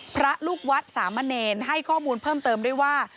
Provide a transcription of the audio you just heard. พระลูกวัดสามเณรให้ข้อมูลเพิ่มเติมด้วยว่า